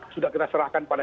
sudah kita serahkan pada